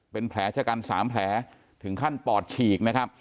เป็นแผลจกรรมสามแผลถึงขั้นปอดฉีก